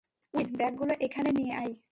Will, ব্যাগগুলো এখানে নিয়ে আয়।